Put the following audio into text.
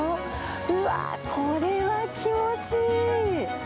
うわー、これは気持ちいい。